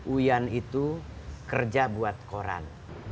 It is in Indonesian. uyan itu kerja buat koran